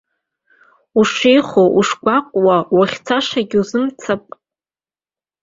Ушеихо, ушгәаҟуа, уахьцашагьы узымцап.